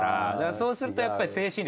そうするとやっぱり精神力。